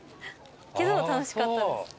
けど楽しかったです。